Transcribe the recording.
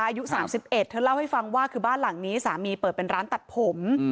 อายุ๓๑เธอเล่าให้ฟังว่าคือบ้านหลังนี้สามีเปิดเป็นร้านตัดผม